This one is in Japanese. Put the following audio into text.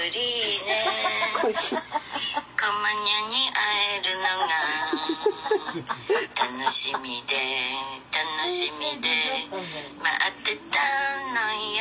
ねこまニャンに会えるのが楽しみで楽しみで待ってたのよ